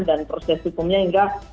dan proses hukumnya hingga